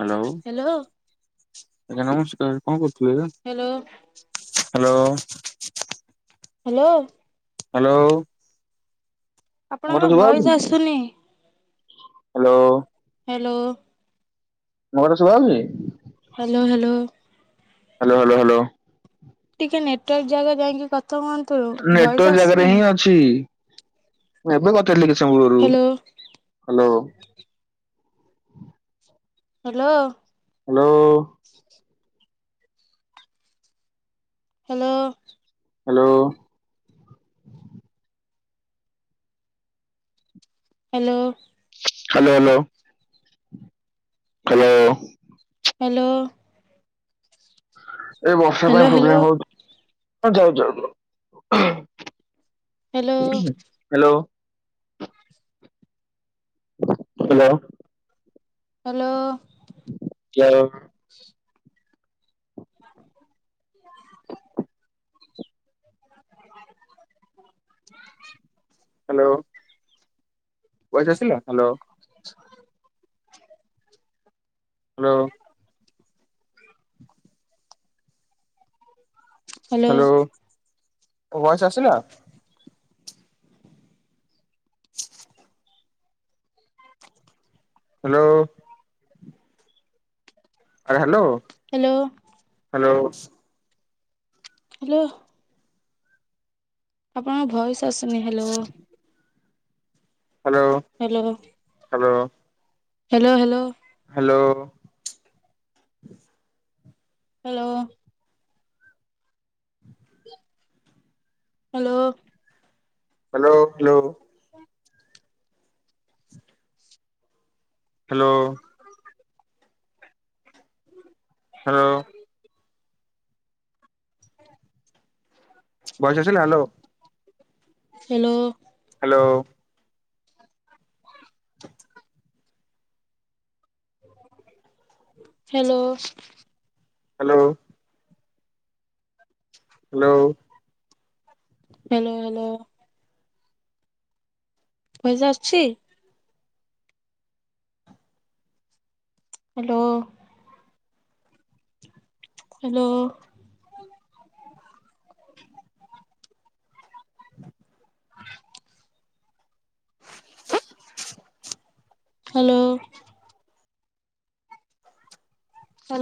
Hello ଆଜ୍ଞା ନମସ୍କାର କଣ କରୁଥିଲେ? ହ୍ୟାଲୋ ହ୍ୟାଲୋ ହ୍ୟାଲୋ ହ୍ୟାଲୋ ମୋ ଆପଣଙ୍କ ଟା ଭଏସ୍ ଶୁଭାଯାଉଛି ଆସୁନି ହ୍ୟାଲୋ ହ୍ୟାଲୋ ମୋ କଥା ଶୁଭା ଯାଉନି? Hello hello hello hello hello ଟିକେ ନେଟୱାର୍କ ଜାଗା ଯାଇକି କଥା କୁହନ୍ତୁ ଭଏସ ଆସିୁନି ମୁ ଏବେ କଥା ହେଇଥିଲି କିଛି ସମୟ ପୂର୍ବରୁ hello hello hello hello hello hello hello hello hello. Hello. Hello. ଏ ବର୍ଷା ହ୍ୟାଲୋ ପାଇଁ ହ୍ୟାଲୋ ପ୍ରୋବ୍ଲୋମ୍ ହଉଛି ଯାଉଛି ଯାଉଛି hello [unintelligible] hello. Hello. Hello. [unintelligible] [unintelligible] [unintelligible] Hello. [unintelligible] ଆସିଲା ହ୍ୟାଲୋ। ହ୍ୟାଲୋ। ହ୍ୟାଲୋ ମୋ ଭଏସ୍ ଆସିଲା? ହ୍ୟାଲୋ। ଆ ହ୍ୟାଲୋ। ହ୍ୟାଲୋ। ହ୍ୟାଲୋ। ହାଲୋ। ଆପଣଙ୍କ ଭଏସ୍ ଆସୁନି hello. Hello. Hello. Hello. Hello hello. Hello. Hello. Hello. Hello hello. [unintelligible] Hello. Hello. Voice ଆସିଲା hello. Hello. Hello. Hello. Hello. Hello. Hello hello. ପଇସା ଅଛି? Hello. Hello. Hello. Hello